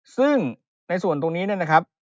ซึ่งในส่วนตรงนี้เนี่ยนะครับ